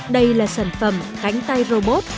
đây là sản phẩm cánh tay robot